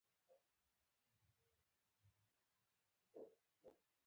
د خان ورور هغه تعویذ وو پرانیستلی